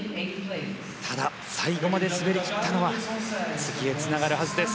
ただ、最後まで滑り切ったのは次へつながるはずです。